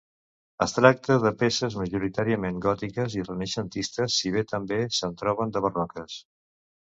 Es tracta de peces majoritàriament gòtiques i renaixentistes, si bé també se'n troben de barroques.